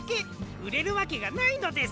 うれるわけがないのです！